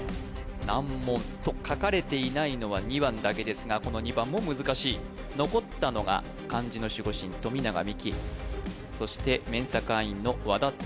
難問と書かれていないのは２番だけですがこの２番も難しい残ったのが漢字の守護神富永美樹そしてＭＥＮＳＡ会員の和田拓